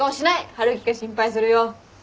春樹が心配するよ。